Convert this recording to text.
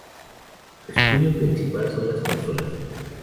Su estudio principal son las consolas.